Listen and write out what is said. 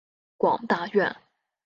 广大院。